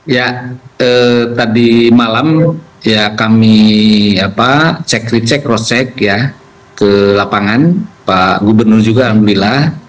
ya tadi malam ya kami cek recek rosek ya ke lapangan pak gubernur juga alhamdulillah